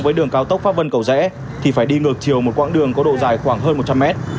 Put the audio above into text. với đường cao tốc pháp vân cầu rẽ thì phải đi ngược chiều một quãng đường có độ dài khoảng hơn một trăm linh mét